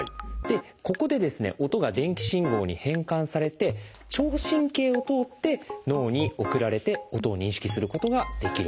ここで音が電気信号に変換されて聴神経を通って脳に送られて音を認識することができるんです。